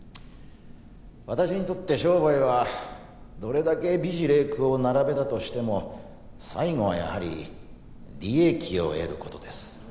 私にとって商売はどれだけ美辞麗句を並べたとしても最後はやはり利益を得る事です。